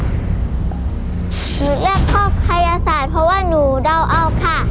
หนูเลือกข้อพัยศาสตร์เพราะว่าหนูเดาเอาค่ะ